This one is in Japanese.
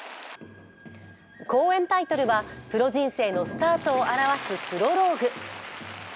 公演タイトルは、プロ人生のスタートを表す「プロローグ」。